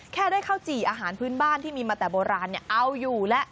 แค่ได้ข้าวจี่อาหารพื้นบ้านที่มีมาแต่โบราณเอาอยู่แล้ว